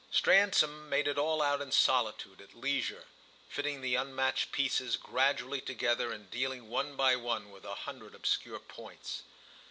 Stransom made it all out in solitude, at leisure, fitting the unmatched pieces gradually together and dealing one by one with a hundred obscure points.